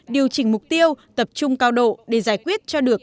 điều chỉnh mục tiêu tập trung cao độ để giải quyết cho được